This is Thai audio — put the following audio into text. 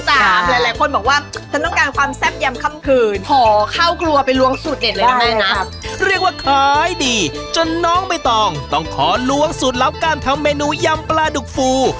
หลายคนบอกว่าฉันต้องการความแซ่บยำคัมผื่นพอข้าวกลัวไปล้วงสูตรเด่นเลยนะแม่นะเรียกว่าขายดีจนน้องไม่ต้องต้องขอล้วงสูตรลับการทำเมนูยำปลาดุกฟู